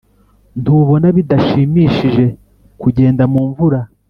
ntubona bidashimishije kugenda mumvura?